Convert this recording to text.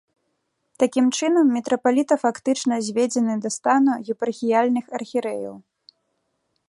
Такім чынам, мітрапаліта фактычна зведзены да стану епархіяльных архірэяў.